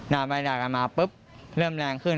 ด่าไปด่ากันมาปุ๊บเริ่มแรงขึ้น